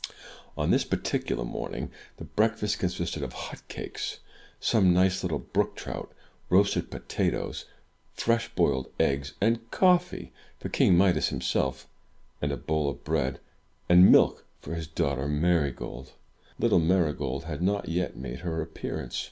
On this particular morning, the breakfast consisted of hot cakes, some nice little brook trout, roasted potatoes, fresh boiled eggs, and coffee, for King Midas himself, and a bowl of bread and milk for his daughter Marygold. Little Marygold had not yet made her appearance.